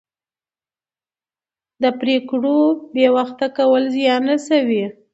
د پرېکړو بې وخته کول زیان رسوي